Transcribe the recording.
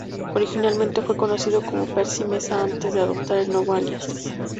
Originalmente, fue conocido como Percy Meza antes de adoptar el nuevo alias.